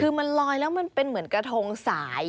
คือมันลอยแล้วมันเป็นเหมือนกระทงสาย